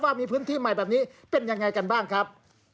ว่ามีพื้นที่ใหม่แบบนี้เป็นยังไงกันบ้างครับ